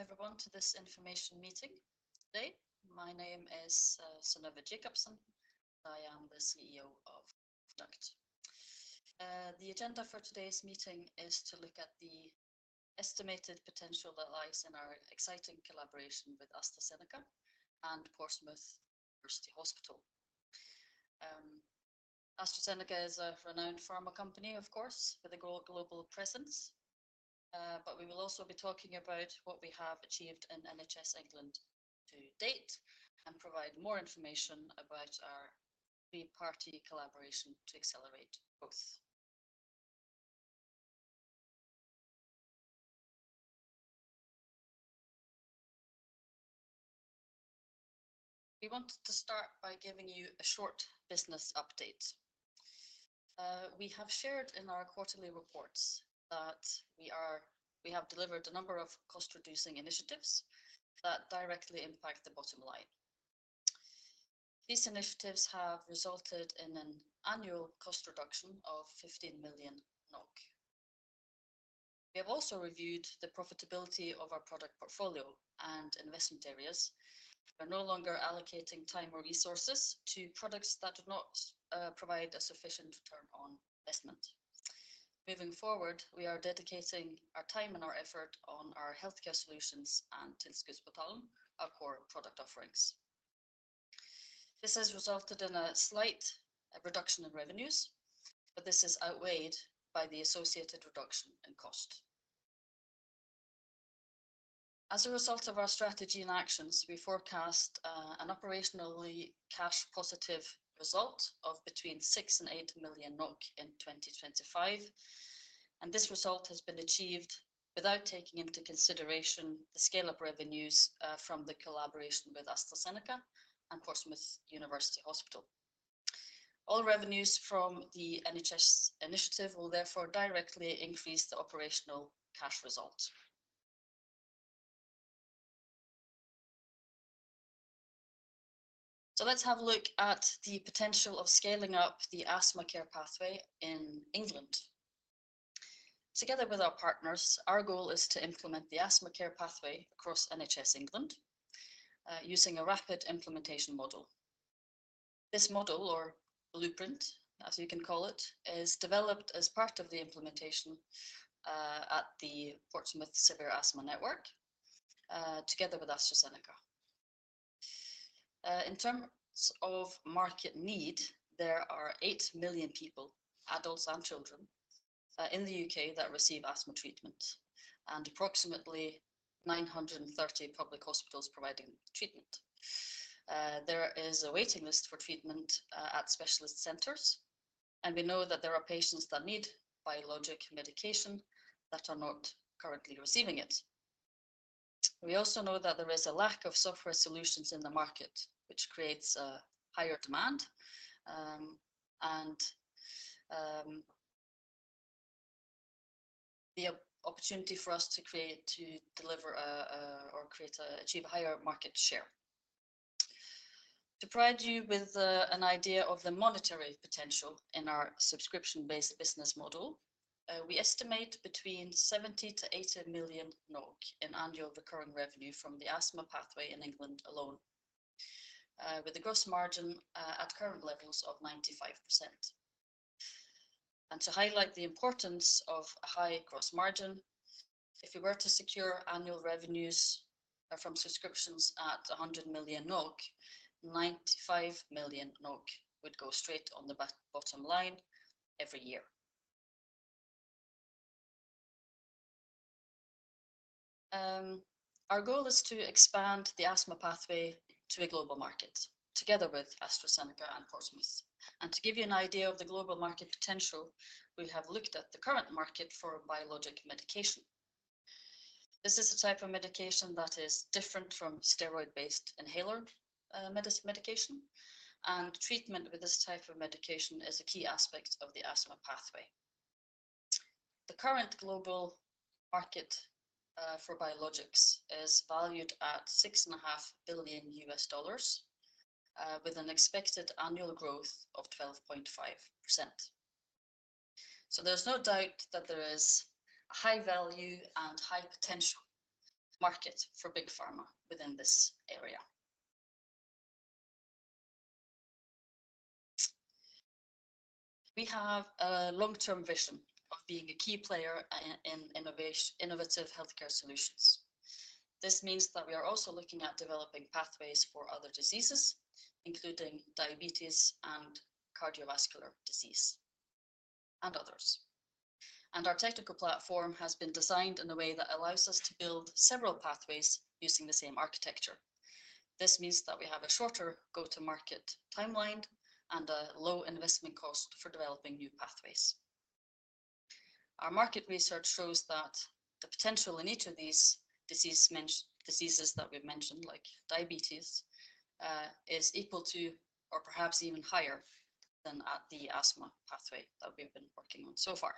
Welcome everyone to this information meeting. My name is Synnøve Jacobsen, and I am the CEO of Induct. The agenda for today's meeting is to look at the estimated potential that lies in our exciting collaboration with AstraZeneca and Portsmouth Hospitals University. AstraZeneca is a renowned pharma company, of course, with a global presence, but we will also be talking about what we have achieved in NHS England to date and provide more information about our three-party collaboration to accelerate growth. We wanted to start by giving you a short business update. We have shared in our quarterly reports that we have delivered a number of cost-reducing initiatives that directly impact the bottom line. These initiatives have resulted in an annual cost reduction of 15 million NOK. We have also reviewed the profitability of our product portfolio and investment areas. We're no longer allocating time or resources to products that do not provide a sufficient return on investment. Moving forward, we are dedicating our time and our effort on our healthcare solutions and Tilskuddsbetaling, our core product offerings. This has resulted in a slight reduction in revenues, but this is outweighed by the associated reduction in cost. As a result of our strategy and actions, we forecast an operationally cash-positive result of between six and eight million NOK in 2025, and this result has been achieved without taking into consideration the scale of revenues from the collaboration with AstraZeneca and Portsmouth University Hospital. All revenues from the NHS initiative will therefore directly increase the operational cash result. Let's have a look at the potential of scaling up the asthma care pathway in England. Together with our partners, our goal is to implement the asthma care pathway across NHS England using a rapid implementation model. This model, or blueprint, as you can call it, is developed as part of the implementation at the Portsmouth Severe Asthma Network together with AstraZeneca. In terms of market need, there are eight million people, adults and children, in the U.K. that receive asthma treatment and approximately 930 public hospitals providing treatment. There is a waiting list for treatment at specialist centers, and we know that there are patients that need biologic medication that are not currently receiving it. We also know that there is a lack of software solutions in the market, which creates a higher demand, and the opportunity for us to deliver or achieve a higher market share. To provide you with an idea of the monetary potential in our subscription-based business model, we estimate between 70-80 million NOK in annual recurring revenue from the asthma pathway in England alone, with a gross margin at current levels of 95%. And to highlight the importance of a high gross margin, if we were to secure annual revenues from subscriptions at 100 million NOK, 95 million NOK would go straight on the bottom line every year. Our goal is to expand the asthma pathway to a global market together with AstraZeneca and Portsmouth, and to give you an idea of the global market potential, we have looked at the current market for biologic medication. This is a type of medication that is different from steroid-based inhaler medication, and treatment with this type of medication is a key aspect of the asthma pathway. The current global market for biologics is valued at $6.5 billion, with an expected annual growth of 12.5%. So there's no doubt that there is a high value and high potential market for big pharma within this area. We have a long-term vision of being a key player in innovative healthcare solutions. This means that we are also looking at developing pathways for other diseases, including diabetes and cardiovascular disease and others. And our technical platform has been designed in a way that allows us to build several pathways using the same architecture. This means that we have a shorter go-to-market timeline and a low investment cost for developing new pathways. Our market research shows that the potential in each of these diseases that we've mentioned, like diabetes, is equal to or perhaps even higher than at the asthma pathway that we've been working on so far.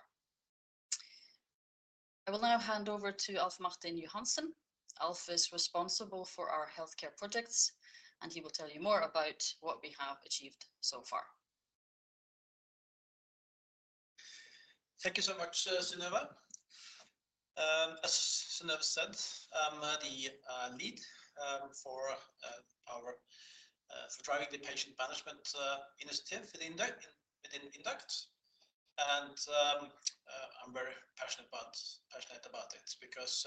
I will now hand over to Alf Martin Johansen. Alf is responsible for our healthcare projects, and he will tell you more about what we have achieved so far. Thank you so much, Synnøve. As Synnøve said, I'm the lead for driving the patient management initiative within Induct, and I'm very passionate about it because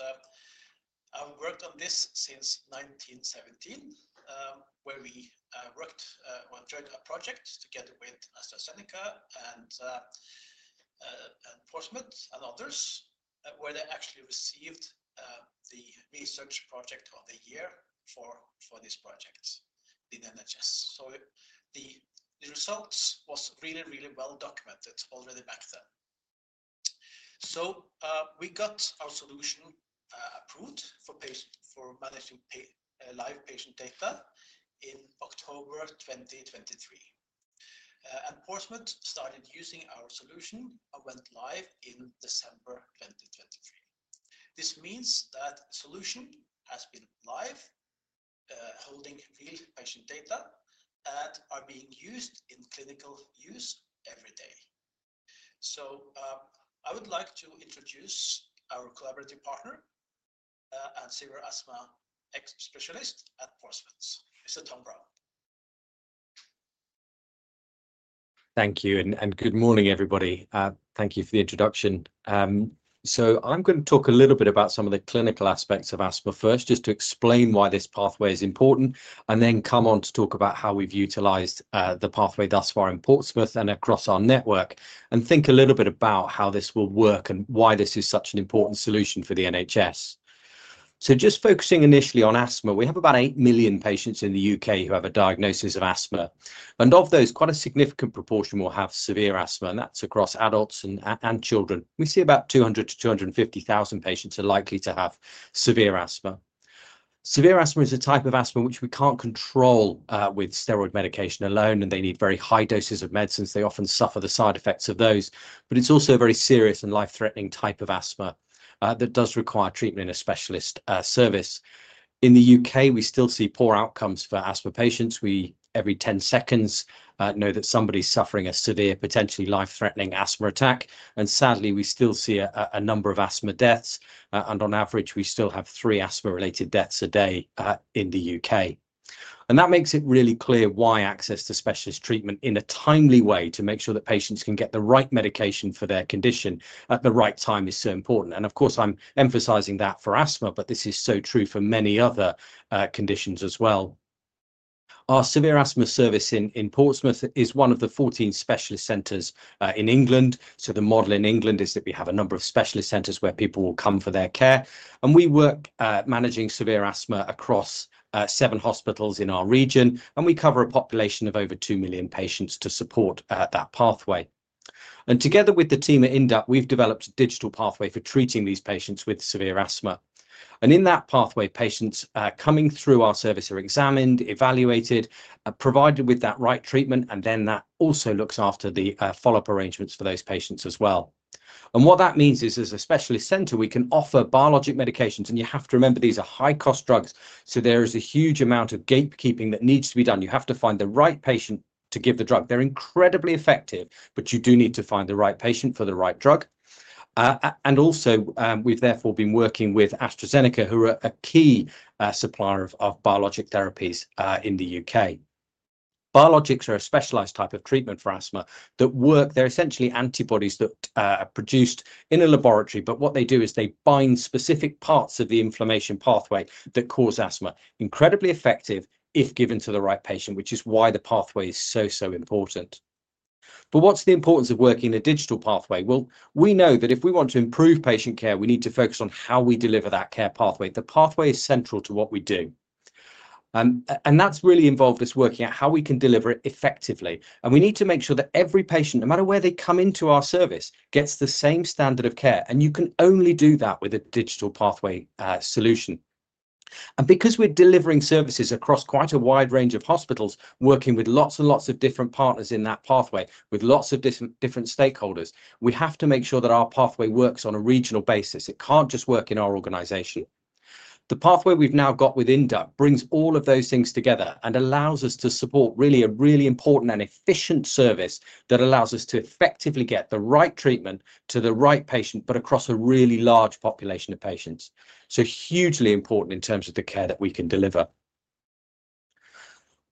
I've worked on this since 2017, where we worked on a joint project together with AstraZeneca and Portsmouth and others, where they actually received the research project of the year for this project in NHS. So the result was really, really well documented already back then. So we got our solution approved for managing live patient data in October 2023, and Portsmouth started using our solution and went live in December 2023. This means that the solution has been live, holding real patient data, and is being used in clinical use every day. So I would like to introduce our collaborative partner and severe asthma specialist at Portsmouth. Mr. Tom Brown. Thank you, and good morning, everybody. Thank you for the introduction. So I'm going to talk a little bit about some of the clinical aspects of asthma first, just to explain why this pathway is important, and then come on to talk about how we've utilized the pathway thus far in Portsmouth and across our network, and think a little bit about how this will work and why this is such an important solution for the NHS. So just focusing initially on asthma, we have about eight million patients in the U.K. who have a diagnosis of asthma, and of those, quite a significant proportion will have severe asthma, and that's across adults and children. We see about 200-250,000 patients are likely to have severe asthma. Severe asthma is a type of asthma which we can't control with steroid medication alone, and they need very high doses of medicines. They often suffer the side effects of those, but it's also a very serious and life-threatening type of asthma that does require treatment in a specialist service. In the U.K., we still see poor outcomes for asthma patients. We, every 10 seconds, know that somebody's suffering a severe, potentially life-threatening asthma attack, and sadly, we still see a number of asthma deaths, and on average, we still have three asthma-related deaths a day in the U.K., and that makes it really clear why access to specialist treatment in a timely way to make sure that patients can get the right medication for their condition at the right time is so important. Of course, I'm emphasizing that for asthma, but this is so true for many other conditions as well. Our severe asthma service in Portsmouth is one of the 14 specialist centers in England. The model in England is that we have a number of specialist centers where people will come for their care, and we work managing severe asthma across seven hospitals in our region, and we cover a population of over two million patients to support that pathway. Together with the team at Induct, we've developed a digital pathway for treating these patients with severe asthma. In that pathway, patients coming through our service are examined, evaluated, provided with that right treatment, and then that also looks after the follow-up arrangements for those patients as well. And what that means is, as a specialist center, we can offer biologic medications, and you have to remember these are high-cost drugs, so there is a huge amount of gatekeeping that needs to be done. You have to find the right patient to give the drug. They're incredibly effective, but you do need to find the right patient for the right drug. And also, we've therefore been working with AstraZeneca, who are a key supplier of biologic therapies in the U.K. Biologics are a specialized type of treatment for asthma that work. They're essentially antibodies that are produced in a laboratory, but what they do is they bind specific parts of the inflammation pathway that cause asthma. Incredibly effective if given to the right patient, which is why the pathway is so, so important. But what's the importance of working in a digital pathway? We know that if we want to improve patient care, we need to focus on how we deliver that care pathway. The pathway is central to what we do, and that's really involved us working at how we can deliver it effectively. We need to make sure that every patient, no matter where they come into our service, gets the same standard of care, and you can only do that with a digital pathway solution. Because we're delivering services across quite a wide range of hospitals, working with lots and lots of different partners in that pathway, with lots of different stakeholders, we have to make sure that our pathway works on a regional basis. It can't just work in our organization. The pathway we've now got with Induct brings all of those things together and allows us to support really a really important and efficient service that allows us to effectively get the right treatment to the right patient, but across a really large population of patients, so hugely important in terms of the care that we can deliver.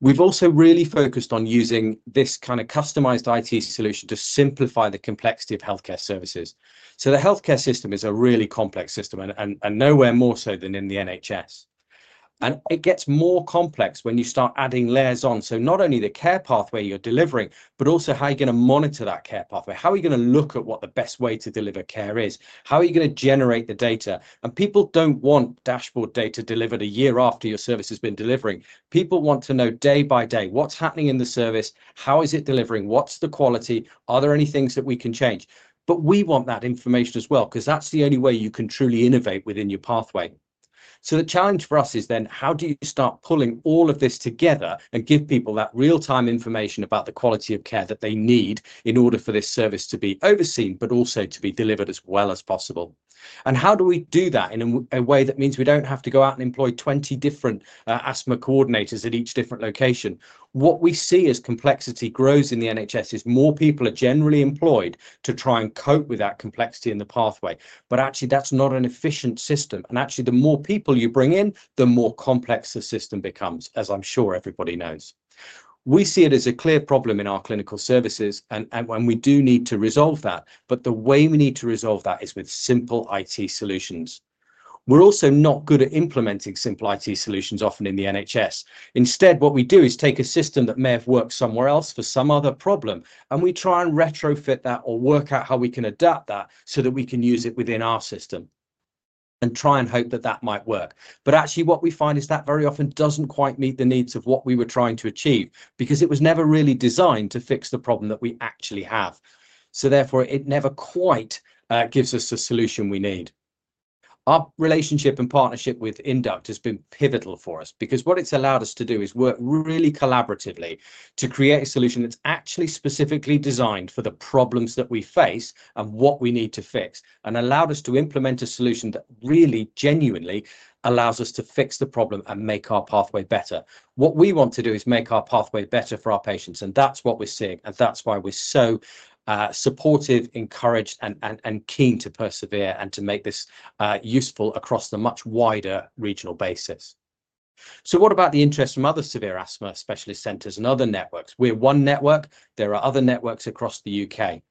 We've also really focused on using this kind of customized IT solution to simplify the complexity of healthcare services, so the healthcare system is a really complex system, and nowhere more so than in the NHS, and it gets more complex when you start adding layers on, so not only the care pathway you're delivering, but also how you're going to monitor that care pathway. How are you going to look at what the best way to deliver care is? How are you going to generate the data? And people don't want dashboard data delivered a year after your service has been delivering. People want to know day by day what's happening in the service, how is it delivering, what's the quality, are there any things that we can change? But we want that information as well, because that's the only way you can truly innovate within your pathway. So the challenge for us is then, how do you start pulling all of this together and give people that real-time information about the quality of care that they need in order for this service to be overseen, but also to be delivered as well as possible? And how do we do that in a way that means we don't have to go out and employ 20 different asthma coordinators at each different location? What we see as complexity grows in the NHS is more people are generally employed to try and cope with that complexity in the pathway, but actually that's not an efficient system. Actually, the more people you bring in, the more complex the system becomes, as I'm sure everybody knows. We see it as a clear problem in our clinical services, and we do need to resolve that, but the way we need to resolve that is with simple IT solutions. We're also not good at implementing simple IT solutions often in the NHS. Instead, what we do is take a system that may have worked somewhere else for some other problem, and we try and retrofit that or work out how we can adapt that so that we can use it within our system and try and hope that that might work. But actually, what we find is that very often doesn't quite meet the needs of what we were trying to achieve because it was never really designed to fix the problem that we actually have. So therefore, it never quite gives us the solution we need. Our relationship and partnership with Induct has been pivotal for us because what it's allowed us to do is work really collaboratively to create a solution that's actually specifically designed for the problems that we face and what we need to fix, and allowed us to implement a solution that really genuinely allows us to fix the problem and make our pathway better. What we want to do is make our pathway better for our patients, and that's what we're seeing, and that's why we're so supportive, encouraged, and keen to persevere and to make this useful across the much wider regional basis. So what about the interest from other severe asthma specialist centers and other networks? We're one network. There are other networks across the U.K.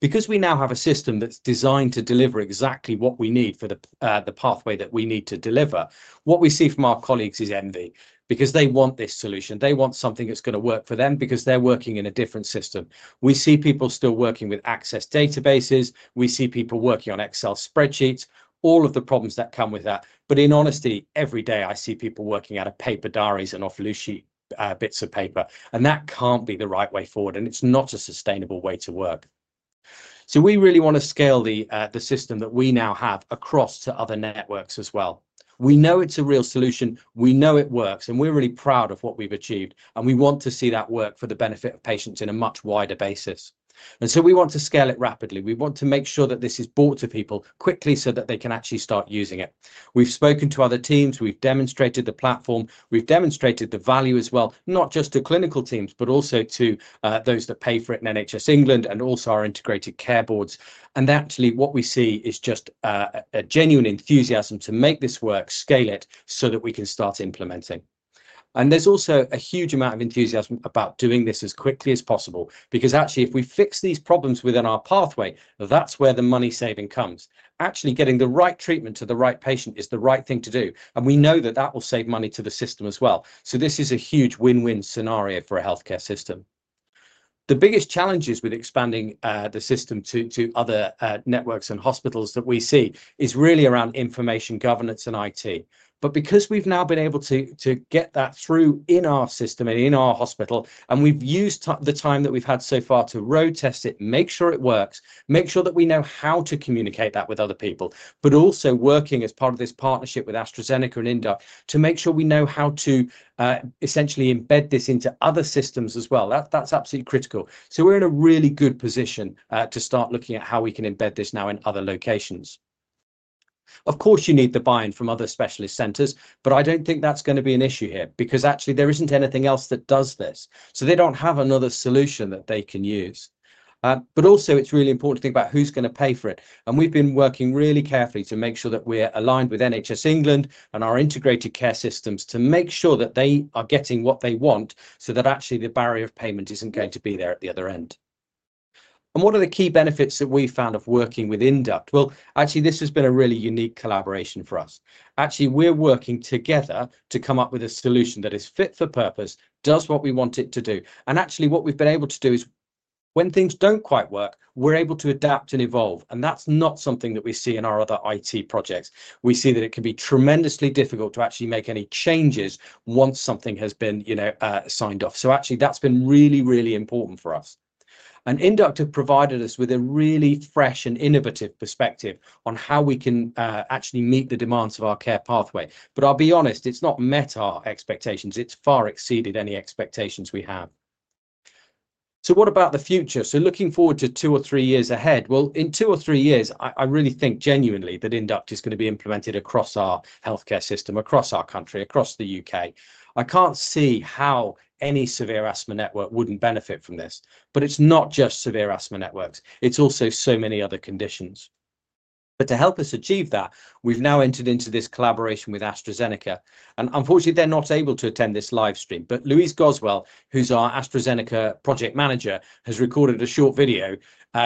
Because we now have a system that's designed to deliver exactly what we need for the pathway that we need to deliver, what we see from our colleagues is envy because they want this solution. They want something that's going to work for them because they're working in a different system. We see people still working with Access databases. We see people working on Excel spreadsheets, all of the problems that come with that. But in honesty, every day I see people working out of paper diaries and off loose sheet bits of paper, and that can't be the right way forward, and it's not a sustainable way to work. So we really want to scale the system that we now have across to other networks as well. We know it's a real solution. We know it works, and we're really proud of what we've achieved, and we want to see that work for the benefit of patients in a much wider basis. And so we want to scale it rapidly. We want to make sure that this is brought to people quickly so that they can actually start using it. We've spoken to other teams. We've demonstrated the platform. We've demonstrated the value as well, not just to clinical teams, but also to those that pay for it in NHS England and also our Integrated Care Boards. And actually, what we see is just a genuine enthusiasm to make this work, scale it so that we can start implementing. There's also a huge amount of enthusiasm about doing this as quickly as possible because actually, if we fix these problems within our pathway, that's where the money saving comes. Actually getting the right treatment to the right patient is the right thing to do, and we know that that will save money to the system as well. This is a huge win-win scenario for a healthcare system. The biggest challenges with expanding the system to other networks and hospitals that we see is really around information governance and IT. But because we've now been able to get that through in our system and in our hospital, and we've used the time that we've had so far to road test it, make sure it works, make sure that we know how to communicate that with other people, but also working as part of this partnership with AstraZeneca and Induct to make sure we know how to essentially embed this into other systems as well. That's absolutely critical. So we're in a really good position to start looking at how we can embed this now in other locations. Of course, you need the buy-in from other specialist centers, but I don't think that's going to be an issue here because actually there isn't anything else that does this. So they don't have another solution that they can use. But also, it's really important to think about who's going to pay for it. And we've been working really carefully to make sure that we're aligned with NHS England and our Integrated Care Systems to make sure that they are getting what they want so that actually the barrier of payment isn't going to be there at the other end. And what are the key benefits that we found of working with Induct? Well, actually, this has been a really unique collaboration for us. Actually, we're working together to come up with a solution that is fit for purpose, does what we want it to do. And actually, what we've been able to do is when things don't quite work, we're able to adapt and evolve. And that's not something that we see in our other IT projects. We see that it can be tremendously difficult to actually make any changes once something has been signed off. So actually, that's been really, really important for us, and Induct have provided us with a really fresh and innovative perspective on how we can actually meet the demands of our care pathway, but I'll be honest, it's not met our expectations. It's far exceeded any expectations we have, so what about the future? So looking forward to two or three years ahead, well, in two or three years, I really think genuinely that Induct is going to be implemented across our healthcare system, across our country, across the U.K. I can't see how any severe asthma network wouldn't benefit from this, but it's not just severe asthma networks. It's also so many other conditions, but to help us achieve that, we've now entered into this collaboration with AstraZeneca. Unfortunately, they're not able to attend this live stream, but Louise Goswell, who's our AstraZeneca Project Manager, has recorded a short video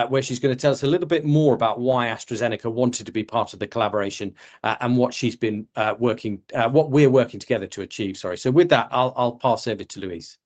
where she's going to tell us a little bit more about why AstraZeneca wanted to be part of the collaboration and what she's been working, what we're working together to achieve. Sorry. With that, I'll pass over to Louise.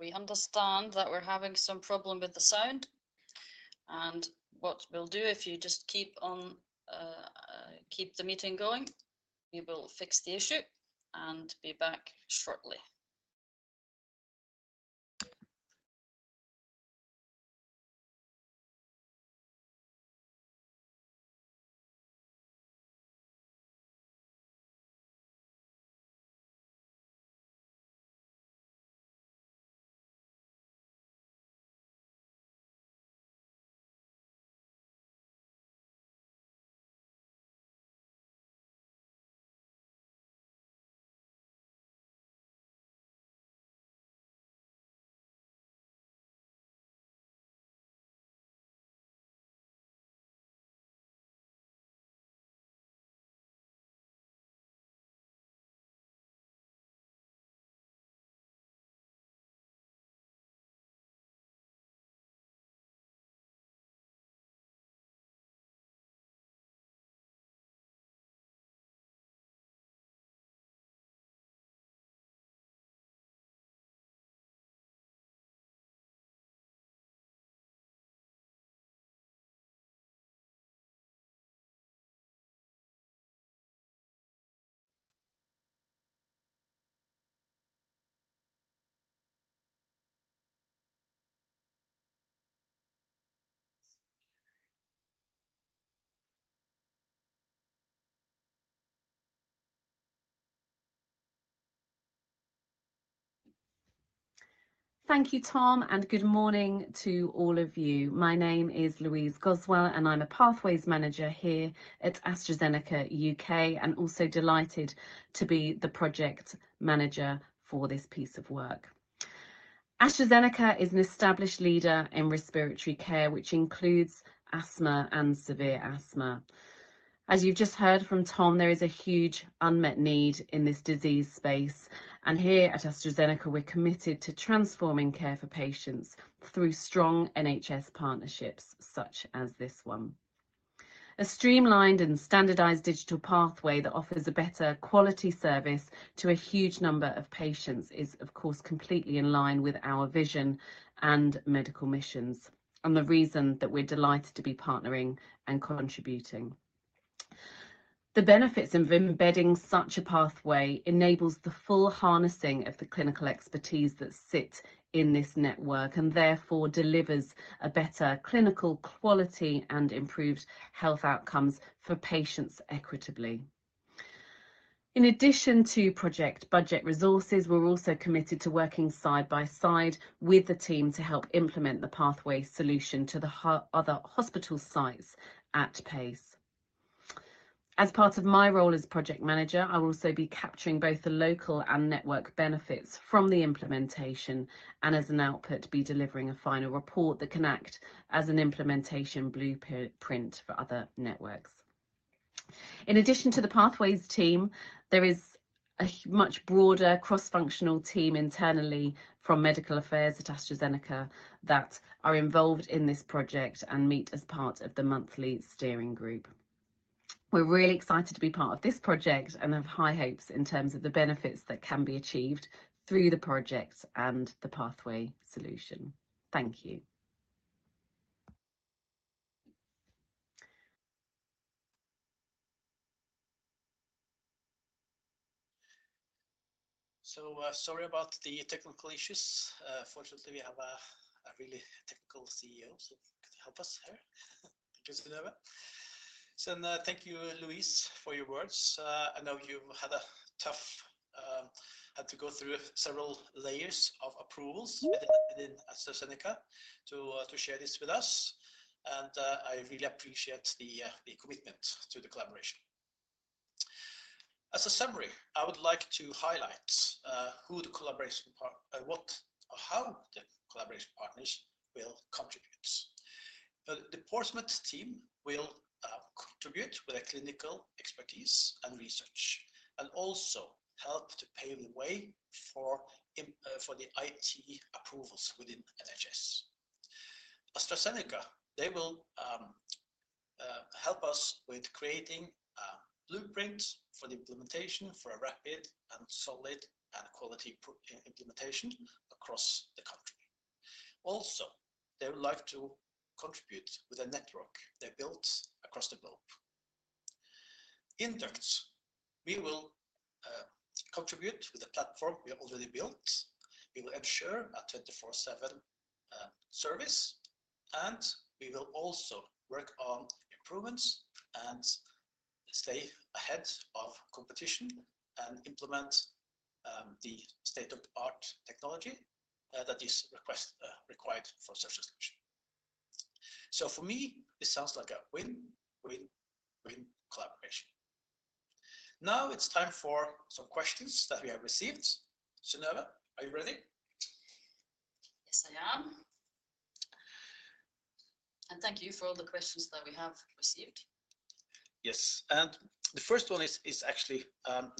We understand that we're having some problem with the sound. What we'll do is, if you just keep on, keep the meeting going, we will fix the issue and be back shortly. Thank you, Tom, and good morning to all of you. My name is Louise Goswell, and I'm a Pathways Manager here at AstraZeneca UK and also delighted to be the project manager for this piece of work. AstraZeneca is an established leader in respiratory care, which includes asthma and severe asthma. As you've just heard from Tom, there is a huge unmet need in this disease space. And here at AstraZeneca, we're committed to transforming care for patients through strong NHS partnerships such as this one. A streamlined and standardized digital pathway that offers a better quality service to a huge number of patients is, of course, completely in line with our vision and medical missions and the reason that we're delighted to be partnering and contributing. The benefits of embedding such a pathway enables the full harnessing of the clinical expertise that sits in this network and therefore delivers a better clinical quality and improved health outcomes for patients equitably. In addition to project budget resources, we're also committed to working side by side with the team to help implement the pathway solution to the other hospital sites at pace. As part of my role as project manager, I will also be capturing both the local and network benefits from the implementation and, as an output, be delivering a final report that can act as an implementation blueprint for other networks. In addition to the pathways team, there is a much broader cross-functional team internally from medical affairs at AstraZeneca that are involved in this project and meet as part of the monthly steering group. We're really excited to be part of this project and have high hopes in terms of the benefits that can be achieved through the project and the pathway solution. Thank you. So sorry about the technical issues. Fortunately, we have a really technical CEO, so he can help us here. Thank you, Synnøve. So thank you, Louise, for your words.I know you've had to go through several layers of approvals within AstraZeneca to share this with us, and I really appreciate the commitment to the collaboration. As a summary, I would like to highlight who the collaboration partner, what, or how the collaboration partners will contribute. The Portsmouth team will contribute with clinical expertise and research and also help to pave the way for the IT approvals within NHS. AstraZeneca, they will help us with creating a blueprint for the implementation for a rapid and solid and quality implementation across the country. Also, they would like to contribute with a network they built across the globe. Induct, we will contribute with a platform we have already built. We will ensure a 24/7 service, and we will also work on improvements and stay ahead of competition and implement the state-of-the-art technology that is required for such a solution. So for me, this sounds like a win, win, win collaboration. Now it's time for some questions that we have received. Synnøve, are you ready? Yes, I am. And thank you for all the questions that we have received. Yes. And the first one is actually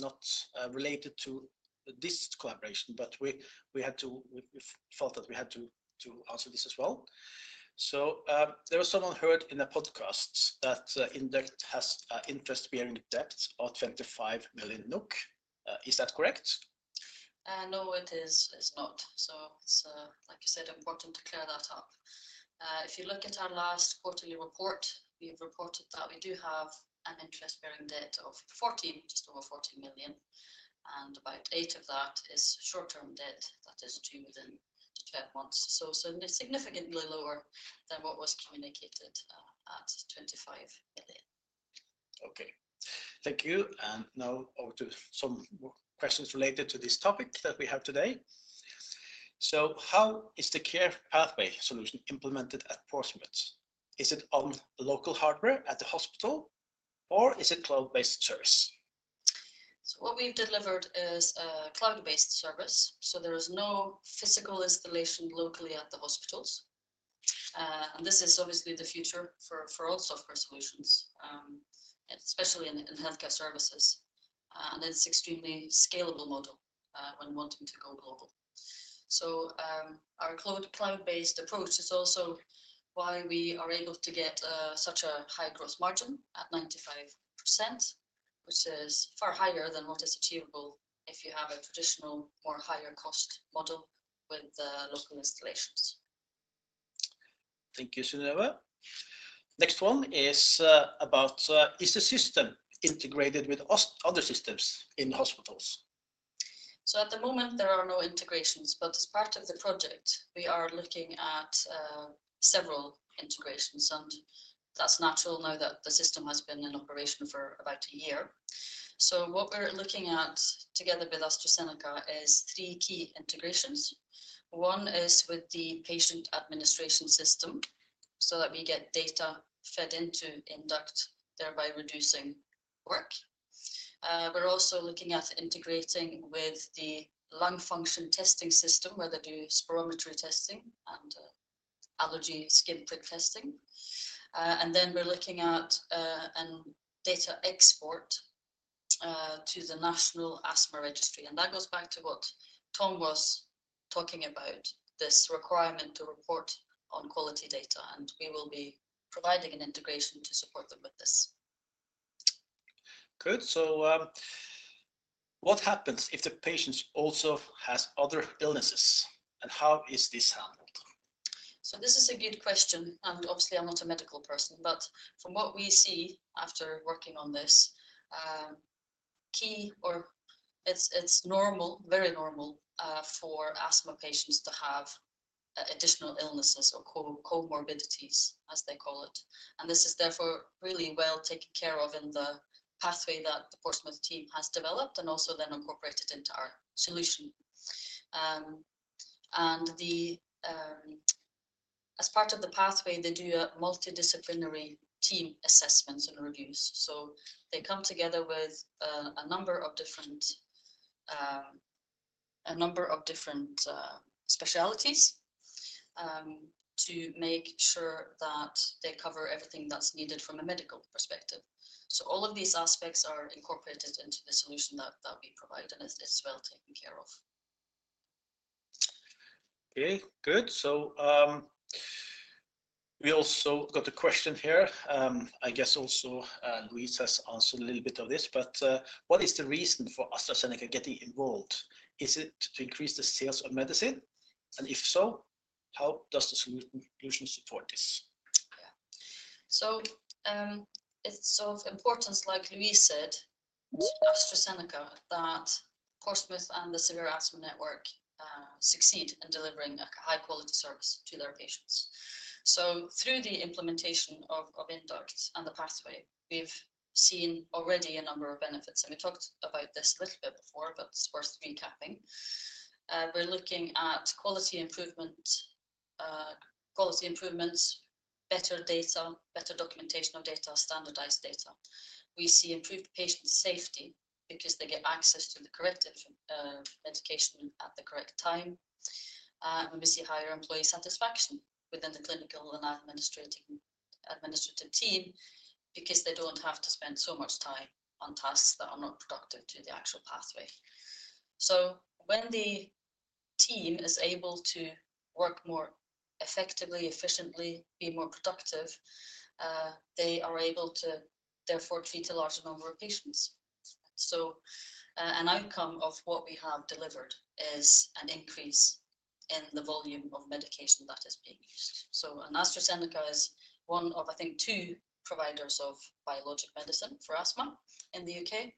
not related to this collaboration, but we had to, we felt that we had to answer this as well. So there was someone heard in a podcast that Induct has an interest-bearing debt of 25 million NOK. Is that correct? No, it is not. So it's, like you said, important to clear that up. If you look at our last quarterly report, we've reported that we do have an interest-bearing debt of 14 million, just over 14 million, and about 8 million of that is short-term debt that is due within 12 months. So significantly lower than what was communicated at 25 million. Okay. Thank you. And now over to some questions related to this topic that we have today. So how is the care pathway solution implemented at Portsmouth? Is it on local hardware at the hospital, or is it cloud-based service? So what we've delivered is a cloud-based service. So there is no physical installation locally at the hospitals. And this is obviously the future for all software solutions, especially in healthcare services. And it's an extremely scalable model when wanting to go global. Our cloud-based approach is also why we are able to get such a high gross margin at 95%, which is far higher than what is achievable if you have a traditional or higher cost model with local installations. Thank you, Synnøve. Next one is about, is the system integrated with other systems in hospitals? So at the moment, there are no integrations, but as part of the project, we are looking at several integrations, and that's natural now that the system has been in operation for about a year. So what we're looking at together with AstraZeneca is three key integrations. One is with the patient administration system so that we get data fed into Induct, thereby reducing work. We're also looking at integrating with the lung function testing system, whether it be spirometry testing and allergy skin prick testing. And then we're looking at data export to the National Asthma Registry. And that goes back to what Tom was talking about, this requirement to report on quality data. And we will be providing an integration to support them with this. Good. So what happens if the patient also has other illnesses? And how is this handled? So this is a good question. And obviously, I'm not a medical person, but from what we see after working on this, key or it's normal, very normal for asthma patients to have additional illnesses or comorbidities, as they call it. And this is therefore really well taken care of in the pathway that the Portsmouth team has developed and also then incorporated into our solution. And as part of the pathway, they do multidisciplinary team assessments and reviews. They come together with a number of different specialties to make sure that they cover everything that's needed from a medical perspective. So all of these aspects are incorporated into the solution that we provide, and it's well taken care of. Okay. Good. So we also got a question here. I guess also Louise has answered a little bit of this, but what is the reason for AstraZeneca getting involved? Is it to increase the sales of medicine? And if so, how does the solution support this? Yeah. So it's of importance, like Louise said, to AstraZeneca that Portsmouth and the Severe Asthma Network succeed in delivering a high-quality service to their patients. So through the implementation of Induct and the pathway, we've seen already a number of benefits. And we talked about this a little bit before, but it's worth recapping. We're looking at quality improvements, better data, better documentation of data, standardized data. We see improved patient safety because they get access to the correct medication at the correct time, and we see higher employee satisfaction within the clinical and administrative team because they don't have to spend so much time on tasks that are not productive to the actual pathway. So when the team is able to work more effectively, efficiently, be more productive, they are able to therefore treat a larger number of patients, so an outcome of what we have delivered is an increase in the volume of medication that is being used, so AstraZeneca is one of, I think, two providers of biologic medicine for asthma in the U.K.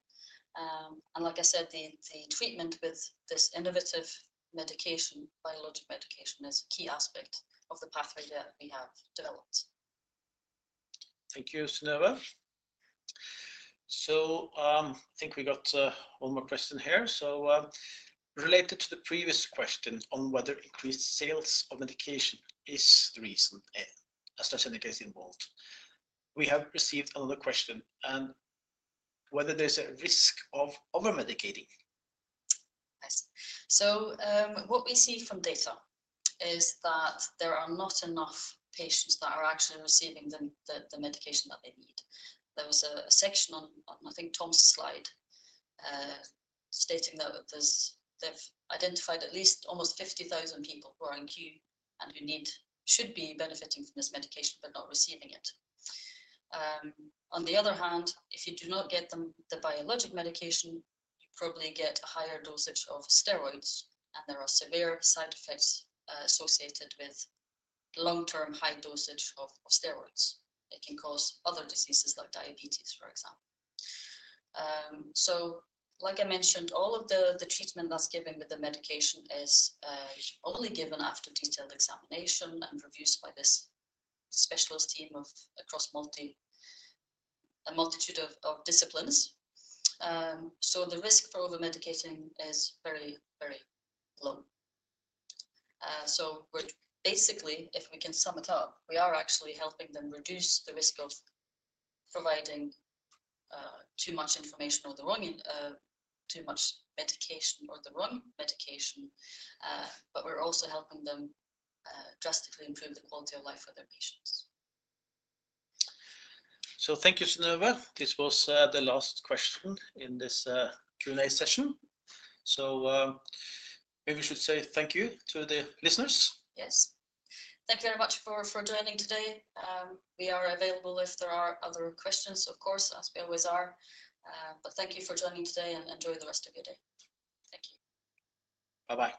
And like I said, the treatment with this innovative biologic medication is a key aspect of the pathway that we have developed. Thank you, Synnøve. I think we got one more question here. Related to the previous question on whether increased sales of medication is the reason AstraZeneca is involved, we have received another question on whether there's a risk of overmedicating. What we see from data is that there are not enough patients that are actually receiving the medication that they need. There was a section on, I think, Tom's slide stating that they've identified at least almost 50,000 people who are in queue and who should be benefiting from this medication but not receiving it. On the other hand, if you do not get the biologic medication, you probably get a higher dosage of steroids, and there are severe side effects associated with long-term high dosage of steroids. It can cause other diseases like diabetes, for example. So like I mentioned, all of the treatment that's given with the medication is only given after detailed examination and reviews by this specialist team across a multitude of disciplines. So the risk for overmedicating is very, very low. So basically, if we can sum it up, we are actually helping them reduce the risk of providing too much information or too much medication or the wrong medication, but we're also helping them drastically improve the quality of life for their patients. So thank you, Synnøve. This was the last question in this Q&A session. So maybe we should say thank you to the listeners. Yes. Thank you very much for joining today. We are available if there are other questions, of course, as we always are. But thank you for joining today and enjoy the rest of your day. Thank you. Bye-bye.